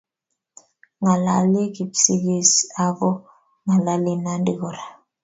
Ng'alali Kipsigis, ako ng'alali Nandi kora.